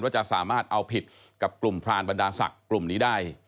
ว่าจะสามารถเอาผิดกับกลุ่มพรานบรรดาศักดิ์กลุ่มนี้ได้